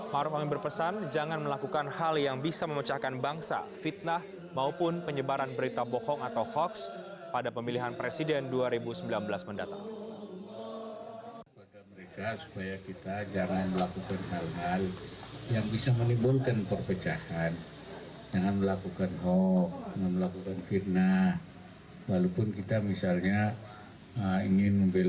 maruf amin berpesan jangan melakukan hal yang bisa memecahkan bangsa fitnah maupun penyebaran berita bohong atau hoaks pada pemilihan presiden dua ribu sembilan belas mendatang